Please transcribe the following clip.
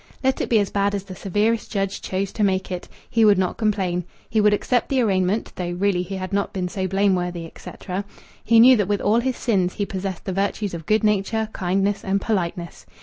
Let it be as bad as the severest judge chose to make it! He would not complain. He would accept the arraignment (though really he had not been so blameworthy, etc....). He knew that with all his sins he, possessed the virtues of good nature, kindness, and politeness.